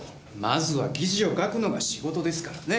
まずは記事を書くのが仕事ですからね。